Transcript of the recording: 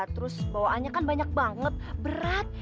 terus bawaannya kan banyak banget berat